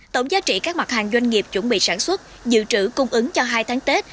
tổng giá trị các mặt hàng doanh nghiệp chuẩn bị sản xuất dự trữ cung ứng cho hai tháng tết